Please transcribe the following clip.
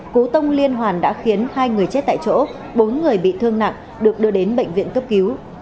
cú tông liên hoàn đã khiến hai người chết tại chỗ bốn người bị thương nặng được đưa đến bệnh viện cấp cứu